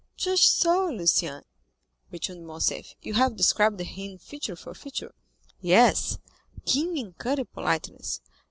"Just so, Lucien," returned Morcerf; "you have described him feature for feature. Yes, keen and cutting politeness.